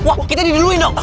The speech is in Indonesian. wah kita diduluin dong